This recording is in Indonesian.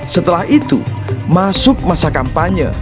setelah itu masuk masa kampanye